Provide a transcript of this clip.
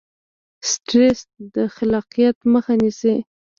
سټرس د خلاقیت مخه نیسي.